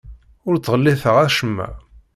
Ur ttɣelliteɣ acemma.